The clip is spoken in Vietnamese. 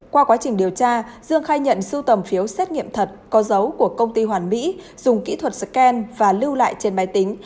qua quá trình điều tra dương khai nhận sưu tầm phiếu xét nghiệm thật có dấu của công ty hoàn mỹ dùng kỹ thuật scan và lưu lại trên máy tính